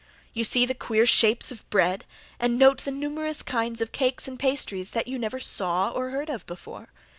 You see the queer shapes of bread, and note the numerous kinds of cakes and pastry that you never saw or heard of before.